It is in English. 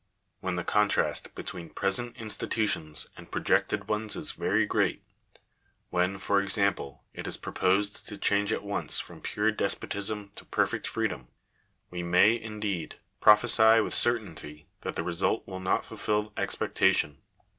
When the contrast between present institutions and projected ones is very great — when, for example, it is proposed to change at once from pure despotism to perfect freedom — we may, in deed, prophesy with certainty that the result will not fulfil expectation.